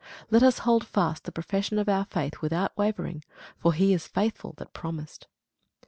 Let us hold fast the profession of our faith without wavering; for he is faithful that promised.